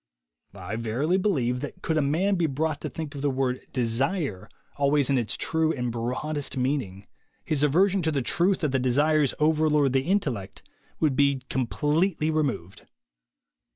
I verily believe that could a man be brought to think of the word "desire" always in its true and broadest meaning, his aversion to the truth that the desires over lord the intellect would be completely removed.